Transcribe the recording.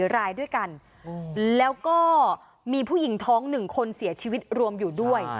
รายด้วยกันแล้วก็มีผู้หญิงท้อง๑คนเสียชีวิตรวมอยู่ด้วย